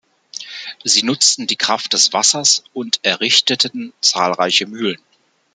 Sie nutzten die Kraft des Wassers und errichteten zahlreiche Mühlen.